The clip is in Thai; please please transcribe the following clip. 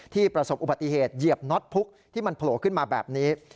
ประสบอุบัติเหตุเหยียบน็อตพุกที่มันโผล่ขึ้นมาแบบนี้